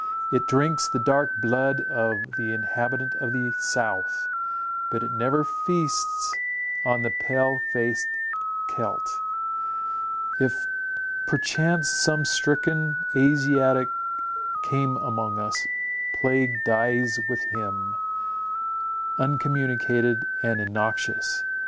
It drinks the dark blood of the inhabitant of the south, but it never feasts on the pale faced Celt. If perchance some stricken Asiatic come among us, plague dies with him, uncommunicated and innoxious.